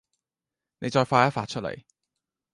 妳再發一發出嚟